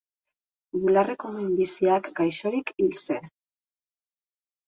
Bularreko minbiziak gaixorik hil zen.